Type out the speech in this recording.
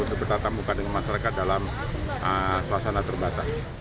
untuk bertatamu dengan masyarakat dalam suasana terbatas